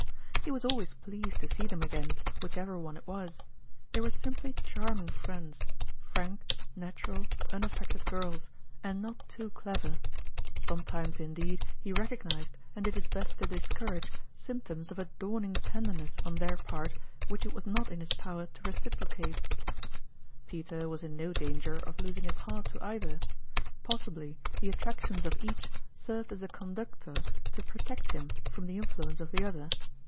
He was always pleased to see them again, whichever one it was ; they were simply charming friends frank, natural, unaffected girls and not too clever. Sometimes, indeed, he recognized, and did his best to discourage, symptoms of a dawning tenderness on their part which it was not in his power to reciprocate. 96 &0tmnalin'0 QTime Peter was in no danger of losing his heart to either ; possibly the attractions of each served as a conductor to protect him from the influ ence of the other.